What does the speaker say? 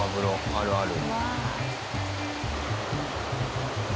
あるある。